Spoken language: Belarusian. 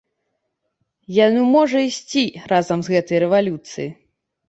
Яно можа ісці разам з гэтай рэвалюцыяй.